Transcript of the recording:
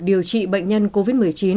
điều trị bệnh nhân covid một mươi chín